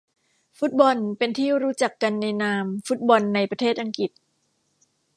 ฟุตบอลเป็นที่รู้จักกันในนามฟุตบอลในประเทศอังกฤษ